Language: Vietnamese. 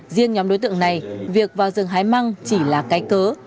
riêng nhóm đối tượng này việc vào rừng hái măng chỉ là cái cớ